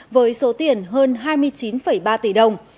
với số tiền hơn hai mươi chín ba tỷ đồng